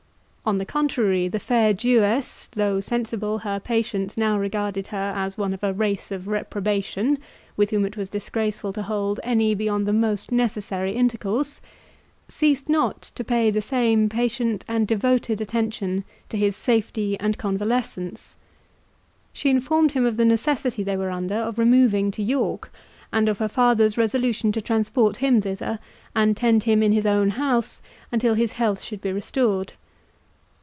On the contrary the fair Jewess, though sensible her patient now regarded her as one of a race of reprobation, with whom it was disgraceful to hold any beyond the most necessary intercourse, ceased not to pay the same patient and devoted attention to his safety and convalescence. She informed him of the necessity they were under of removing to York, and of her father's resolution to transport him thither, and tend him in his own house until his health should be restored.